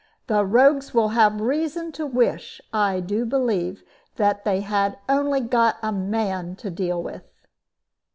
The rogues will have reason to wish, I do believe, that they had only got a man to deal with."